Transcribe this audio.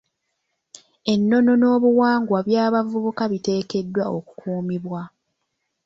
Ennono n'obuwangwa by'abavubuka biteekeddwa okukumibwa.